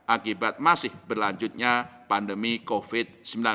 akibat masih berlanjutnya pandemi covid sembilan belas